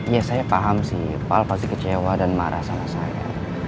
ya saya paham sih soal pasti kecewa dan marah sama saya